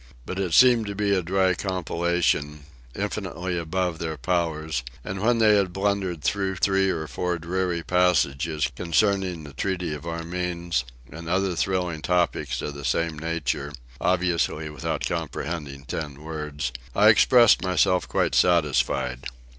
But it seemed to be a dry compilation, infinitely above their powers; and when they had blundered through three or four dreary passages concerning the Treaty of Amiens, and other thrilling topics of the same nature (obviously without comprehending ten words), I expressed myself quite satisfied.